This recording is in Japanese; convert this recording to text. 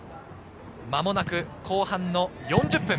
間もなく後半の４０分。